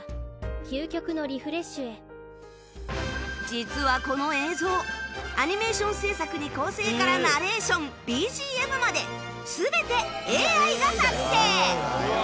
実はこの映像アニメーション制作に構成からナレーション ＢＧＭ まで全て ＡＩ が作成！